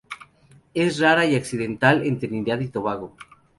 Es rara y accidental en Trinidad y Tobago.